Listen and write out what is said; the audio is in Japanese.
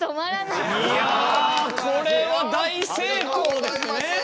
いやこれは大成功ですね。